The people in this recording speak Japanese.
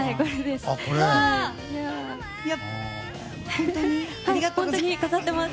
本当に飾ってます！